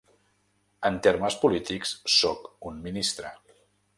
’En termes polítics sóc un ministre.